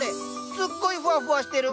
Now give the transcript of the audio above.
すっごいふわふわしてる。